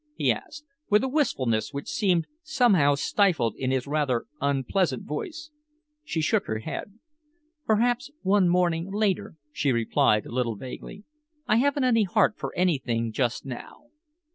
he asked, with a wistfulness which seemed somehow stifled in his rather unpleasant voice. She shook her head. "Perhaps one morning later," she replied, a little vaguely. "I haven't any heart for anything just now."